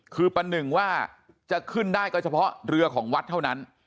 คือประหนึ่งว่าจะขึ้นได้ก็เฉพาะเรือของวัดเท่านั้น